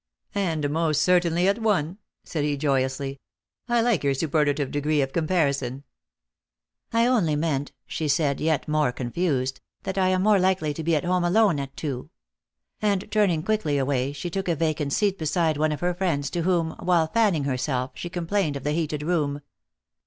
" And most certainly at one," said he joyously. " I like your superlative degree of comparison." " I only meant," she said, yet more confused, " that I am more Mkely to be at home alone at two." And turning quickly away, she took a vacant seat beside one of her friends, to whom, while fanning herself, she complained of the heated room.